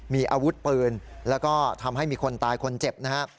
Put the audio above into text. มีอาวุธปืนแล้วก็ทำให้มีคนตายคนเจ็บนะฮะ